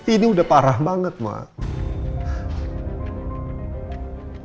ini udah parah banget mbak